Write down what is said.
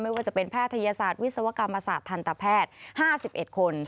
ไม่ว่าจะเป็นแพทยศาสตร์วิศวกรรมอาสาธารณแพทย์๕๑คน